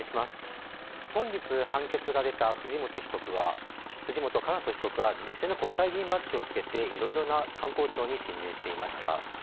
今日判決が出た藤本叶人被告は偽の国会議員バッジをつけていろいろな官公庁に侵入していました。